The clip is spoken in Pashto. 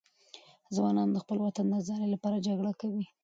ځوانان د خپل وطن د آزادۍ لپاره جګړه کوي.